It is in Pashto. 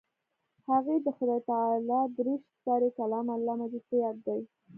هغې د خدای تعالی دېرش سپارې کلام الله مجيد په ياد دی.